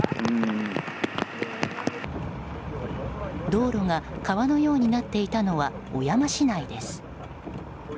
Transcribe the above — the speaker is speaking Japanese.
道路が川のようになっていたのは小山市内です。